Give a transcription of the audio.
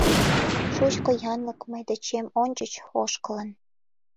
Шучко янлык мый дечем ончыч ошкылын.